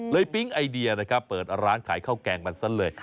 ปิ๊งไอเดียนะครับเปิดร้านขายข้าวแกงมันซะเลย